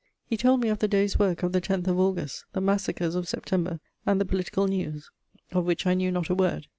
He told me of the day's work of the 10th of August, the massacres of September, and the political news, of which I knew not a word.